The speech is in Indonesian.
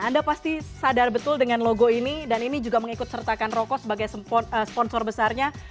anda pasti sadar betul dengan logo ini dan ini juga mengikut sertakan rokok sebagai sponsor besarnya